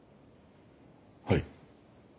はい。